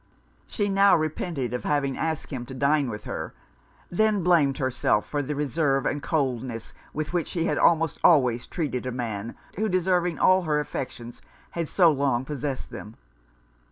She now repented of having asked him to dine with her; then blamed herself for the reserve and coldness with which she had almost always treated a man, who, deserving all her affections, had so long possessed them.